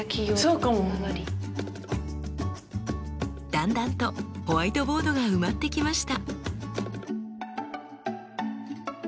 だんだんとホワイトボードが埋まってきました。